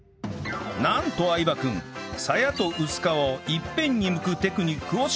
なんと相葉君さやと薄皮をいっぺんにむくテクニックを習得